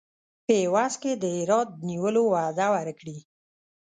په عوض کې د هرات نیولو وعده ورکړي.